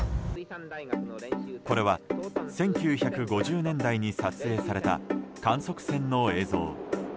これは１９５０年代に撮影された観測船の映像。